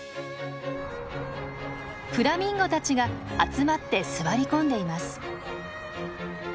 フラミンゴたちが集まって座り込んでいます。